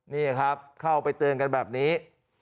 นี่ครับเข้าไปเตือนกันแบบนี้